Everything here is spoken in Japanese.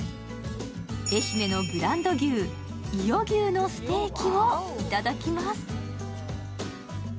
愛媛のブランド牛・伊予牛のステーキをいただきます。